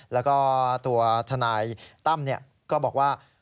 แล้วก็ถนายตั้มนี่ก็บอกว่า